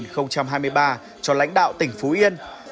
năm hai nghìn hai mươi ba cho lãnh đạo tỉnh phú yên